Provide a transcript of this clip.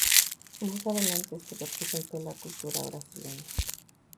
Más adelante se representó la cultura brasileña.